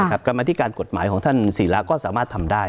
กรรมธิการกฎหมายของท่านศิลาก็สามารถทำได้